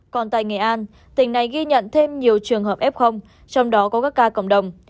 còn tại nghệ an tỉnh này ghi nhận thêm nhiều trường hợp f trong đó có các ca cộng đồng